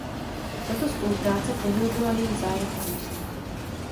Tato spolupráce prohloubila její zájem o house.